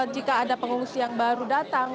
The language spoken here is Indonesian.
jika ada pengungsi yang baru datang